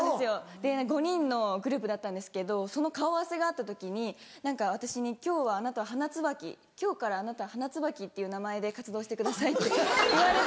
で５人のグループだったんですけどその顔合わせがあった時に何か私に「今日からあなたは花椿っていう名前で活動してください」って言われて。